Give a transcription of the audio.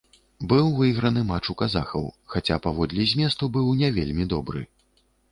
Быў выйграны матч у казахаў, хаця паводле зместу быў не вельмі добры.